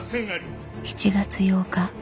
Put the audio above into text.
７月８日。